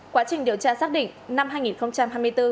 quá trình điều tra xác định năm hai nghìn hai mươi bốn